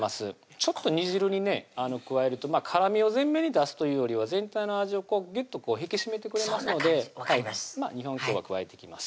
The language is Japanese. ちょっと煮汁にね加えると辛みを全面に出すというよりは全体の味をぎゅっと引き締めてくれますので２本今日は加えていきます